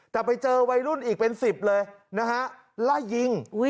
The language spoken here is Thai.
แต่ไปเจอวัยรุ่นอีกเป็น๑๐เลยนะฮะไล่ยิง